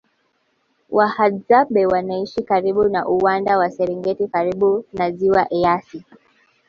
Wahadzabe wanaishi karibu na uwanda wa serengeti karibu na ziwa eyasi